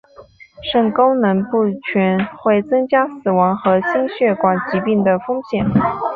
肾功能不全会增加死亡和心血管疾病的风险。